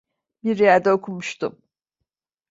Bir yerde okumuştum.